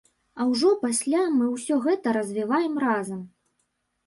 А ўжо пасля мы ўсё гэта развіваем разам.